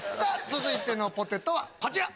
続いてのポテトはこちら。